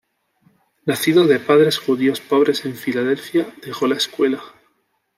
Nacido de padres judíos pobres en Philadelphia, dejó la escuela.